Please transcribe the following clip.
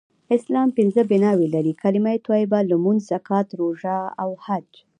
اسلام پنځه بناوې لری : کلمه طیبه ، لمونځ ، زکات ، روژه او حج